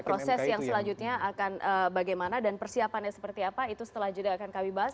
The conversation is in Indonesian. proses yang selanjutnya akan bagaimana dan persiapannya seperti apa itu setelah jeda akan kami bahas